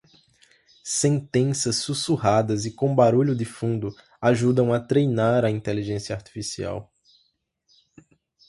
Sentenças sussurradas e com barulho de fundo ajudam a treinar a inteligência artificial